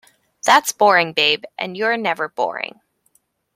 That's boring, babe, and you're never boring!